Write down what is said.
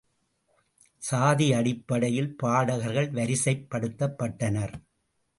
சாதி அடிப்படையில் பாடகர்கள் வரிசைப் படுத்தப்பட்டனர்.